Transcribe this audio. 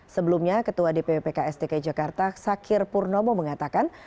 sebelumnya ketua dpw pks dki jakarta sakir purnomo mengatakan